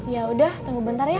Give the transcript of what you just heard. yaudah tunggu bentar ya